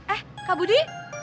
eh kak budi